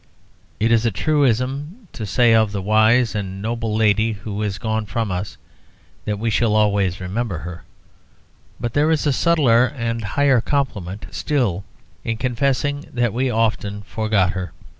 It is a truism to say of the wise and noble lady who is gone from us that we shall always remember her; but there is a subtler and higher compliment still in confessing that we often forgot her.